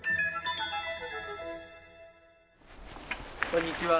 こんにちは。